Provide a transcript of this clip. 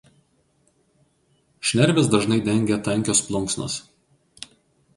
Šnerves dažnai dengia tankios plunksnos.